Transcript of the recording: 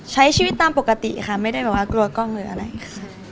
ใช้ชีวิตตามปกติค่ะไม่ได้แบบว่ากลัวกล้องหรืออะไรค่ะ